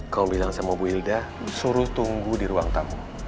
kalau bilang sama ibu hilda suruh tunggu di ruang tamu